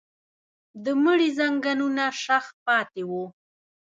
د مړي ځنګنونه شخ پاتې وو.